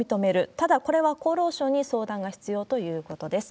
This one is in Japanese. ただ、これは厚労省に相談が必要ということです。